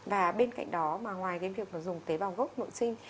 và bên cạnh đó mà ngoài cái việc mà dùng tế bào gốc nội sinh